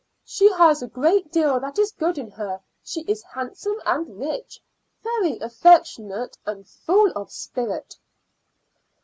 "She has a great deal that is good in her; she is handsome and rich, very affectionate, and full of spirit."